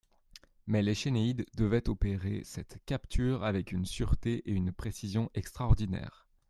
Mais l'échénéïde devait opérer cette capture avec une sûreté et une précision extraordinaire.